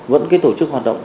vẫn cái tổ chức hoạt động